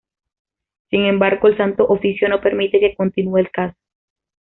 Sin embargo, el Santo Oficio no permite que continue el caso.